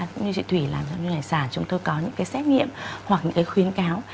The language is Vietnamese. cũng như chị thủy làm trong chuyên ngành sản chúng tôi có những cái xét nghiệm hoặc những cái khuyên cáo